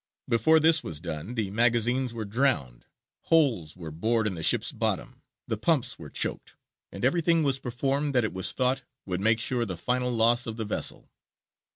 Before this was done the magazines were drowned, holes were bored in the ship's bottom, the pumps were choked, and everything was performed that it was thought would make sure the final loss of the vessel.